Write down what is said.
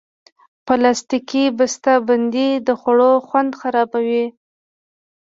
پلاستيکي بستهبندۍ د خوړو خوند خرابوي.